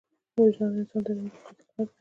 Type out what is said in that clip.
وجدان د انسان د دروني قاضي غږ دی.